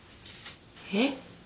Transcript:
えっ？